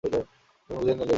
এখন বুঝে নে লেভেল।